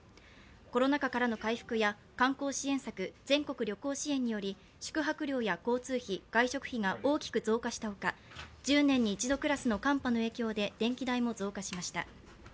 コロナ禍からの回復や観光支援策、全国旅行支援により宿泊料や交通費、外食費が大きく増加したほか１０年に１度クラスの寒波の影響で電気代も増加しました。